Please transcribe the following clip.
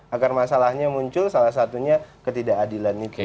agar masalahnya muncul salah satunya ketidakadilan itu